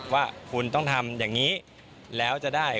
ว่าคุณต้องทำอย่างนี้แล้วจะได้